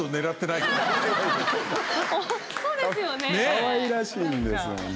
かわいらしいんです。